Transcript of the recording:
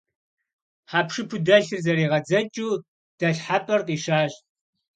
Хьэпшыпу дэлъыр зэригъэдзэкӀыу дэлъхьэпӏэр къищащ.